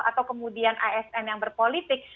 atau kemudian asn yang berpolitik